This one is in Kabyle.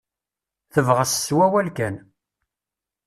Tebɣes s wawal kan.